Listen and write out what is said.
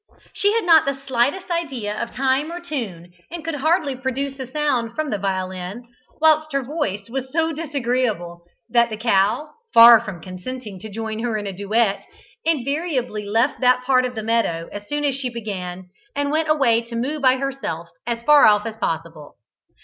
She had not the slightest idea of time or tune, and could hardly produce a sound from the violin, whilst her voice was so disagreeable that the cow, far from consenting to join her in a duet, invariably left that part of the meadow as soon as she began, and went away to moo by herself as far off as possible.